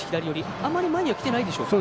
あまり前にはきてないでしょうか。